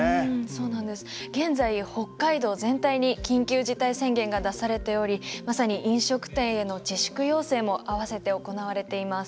現在北海道全体に緊急事態宣言が出されておりまさに飲食店への自粛要請も併せて行われています。